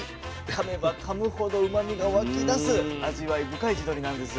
かめばかむほどうまみがわきだす味わい深い地鶏なんです。